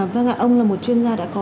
vâng ạ ông là một chuyên gia đã có